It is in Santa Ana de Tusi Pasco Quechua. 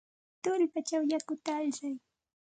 Tullpachaw yakuta alsay.